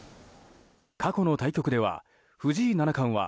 過去の対局では、藤井七冠は